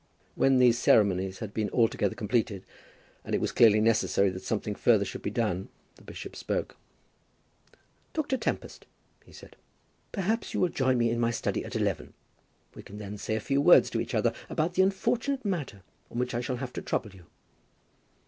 When these ceremonies had been altogether completed, and it was clearly necessary that something further should be done, the bishop spoke: "Dr. Tempest," he said, "perhaps you will join me in my study at eleven. We can then say a few words to each other about the unfortunate matter on which I shall have to trouble you."